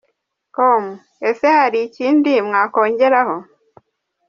com : Ese hari ikindi mwakongeraho ?.